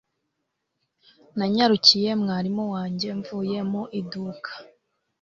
Nanyarukiye mwarimu wanjye mvuye mu iduka